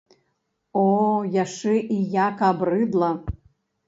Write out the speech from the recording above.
О, яшчэ і як абрыдла!